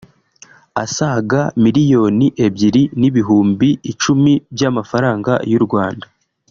asaga miriyoni ebyiri n’ibihumbi icumi by’amafaranga y’u Rwanda